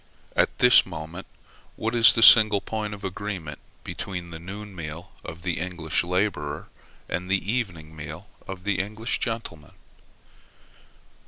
At this moment, what is the single point of agreement between the noon meal of the English laborer and the evening meal of the English gentleman?